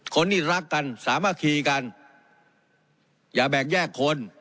คนที่รักกันสามัคคีกันอย่าแบกแยกคน